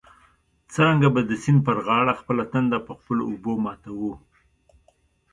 څرنګه به د سیند پر غاړه خپله تنده په خپلو اوبو ماتوو.